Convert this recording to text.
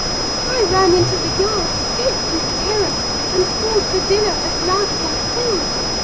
I ran into the yard, sick with terror; and called for Zillah, as loud as I could.